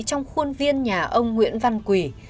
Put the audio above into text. trong khuôn viên nhà ông nguyễn văn quỷ